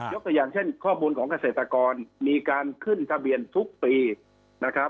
ตัวอย่างเช่นข้อมูลของเกษตรกรมีการขึ้นทะเบียนทุกปีนะครับ